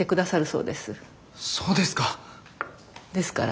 そうですか。